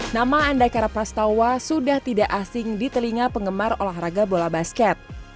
nama andakara prastawa sudah tidak asing di telinga penggemar olahraga bola basket